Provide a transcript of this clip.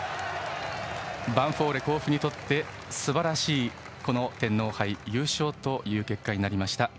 ヴァンフォーレ甲府にとってすばらしい天皇杯優勝という結果になりました。